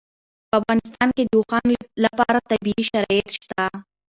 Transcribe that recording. په افغانستان کې د اوښانو لپاره طبیعي شرایط شته.